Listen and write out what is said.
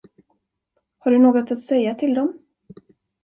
Har du något att säga till dem?